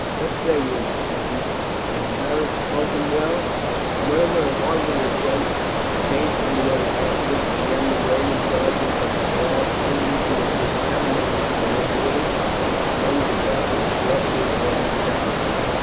What say you, my friends, has Beric spoken well?" A murmur of hearty assent came from the other captives, and then the Roman sergeant of the guard, uneasy at this animated colloquy among the captives, gruffly ordered silence.